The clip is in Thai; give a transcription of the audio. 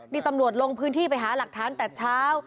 นี่ตำรวจลงพื้นที่ไปหาหลักฐานแต่เช้า